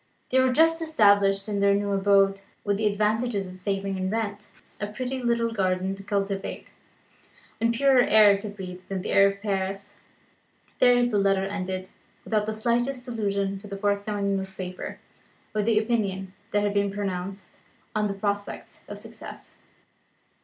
They were just established in their new abode, with the advantages of a saving in rent, a pretty little garden to cultivate, and purer air to breathe than the air of Paris. There the letter ended, without the slightest allusion to the forthcoming newspaper, or to the opinion that had been pronounced on the prospects of success.